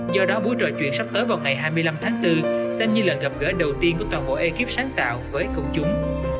do đó buổi trò chuyện sắp tới vào ngày hai mươi năm tháng bốn xem như là gặp gỡ đầu tiên của toàn bộ ekip sáng tạo với công chúng